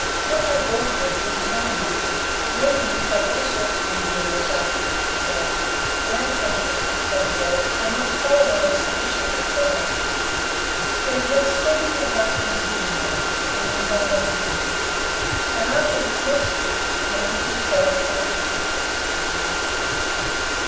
What they bought of us wouldn't harm them, but many mix up all sorts of injurious articles to sell; but our consciences, thank God! are not colonised sufficiently for that. We have had steady good luck in the digging line (for we combine everything), and after this next trip, mean to dissolve partnership.